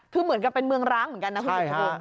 คือเหมือนกับเป็นเมืองร้างเหมือนกันนะคุณสุดสกุล